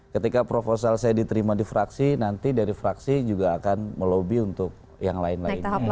ketika proposal saya diterima di fraksi nanti dari fraksi juga akan melobi untuk yang lain lainnya